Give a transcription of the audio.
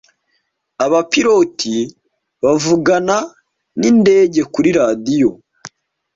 Abapilote bavugana nindege kuri radio.